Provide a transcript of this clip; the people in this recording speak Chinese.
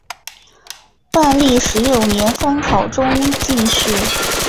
万历十六年方考中进士。